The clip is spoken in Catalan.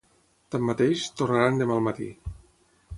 Tanmateix, tornaran demà al matí.